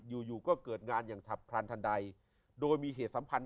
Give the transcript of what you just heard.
อยู่อยู่ก็เกิดงานอย่างฉับพลันทันใดโดยมีเหตุสัมพันธ